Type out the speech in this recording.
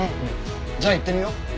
じゃあ行ってみよう。